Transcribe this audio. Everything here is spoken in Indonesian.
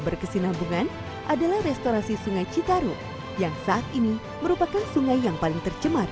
berkesinambungan adalah restorasi sungai citarum yang saat ini merupakan sungai yang paling tercemar